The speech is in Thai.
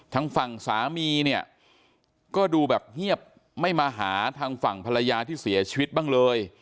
ทางฝั่งสามีเนี่ยก็ดูแบบเงียบไม่มาหาทางฝั่งภรรยาที่เสียชีวิตบ้างเลย